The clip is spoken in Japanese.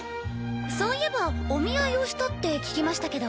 そういえばお見合いをしたって聞きましたけど。